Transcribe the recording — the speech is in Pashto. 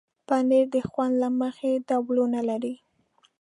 پنېر د خوند له مخې ډولونه لري.